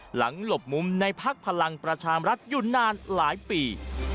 หลังหลบมุมในภักดิ์พลังประชามรัฐยุนนานหลายปี